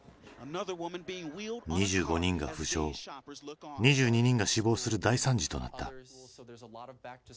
２５人が負傷２２人が死亡する大惨事となった。